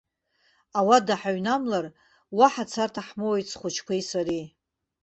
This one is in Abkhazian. Ауада ҳаҩнамлар, уаҳа царҭа ҳмоуит схәыҷқәеи сареи.